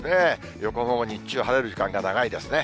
横浜も日中、晴れる時間が長いですね。